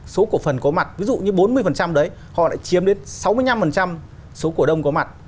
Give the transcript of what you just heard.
số cổ phần có mặt ví dụ như bốn mươi đấy họ lại chiếm đến sáu mươi năm số cổ đông có mặt